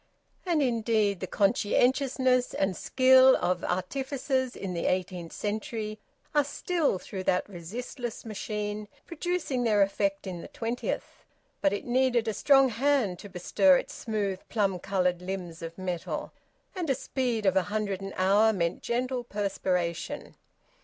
And, indeed, the conscientiousness and skill of artificers in the eighteenth century are still, through that resistless machine, producing their effect in the twentieth. But it needed a strong hand to bestir its smooth plum coloured limbs of metal, and a speed of a hundred an hour meant gentle perspiration.